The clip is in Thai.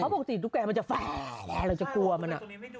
เพราะปกติตุ๊กแก่มันจะแปแล้วก็จะกลัวมัน